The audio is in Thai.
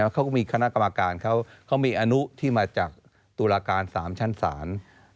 เขาก็มีคณะกรรมการเขามีอนุที่มาจากตุลาการ๓ชั้นศาล